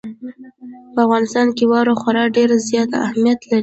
په افغانستان کې واوره خورا ډېر زیات اهمیت لري.